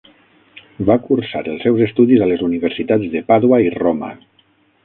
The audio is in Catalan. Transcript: Va cursar els seus estudis a les universitats de Pàdua i Roma.